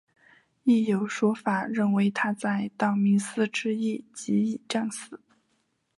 亦有说法认为他在道明寺之役即已战死。